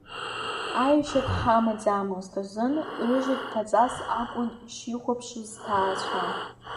Аиашьа дҳамаӡамызт азын Рыжик ԥаҵас акәын ишихәаԥшуаз сҭаацәа.